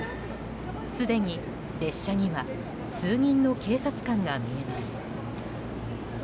すでに列車には数人の警察官が見えます。